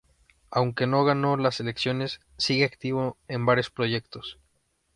Aunque no ganó las elecciones, sigue activo en varios proyectos.